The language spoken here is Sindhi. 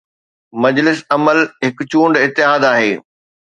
مجلس عمل هڪ چونڊ اتحاد آهي.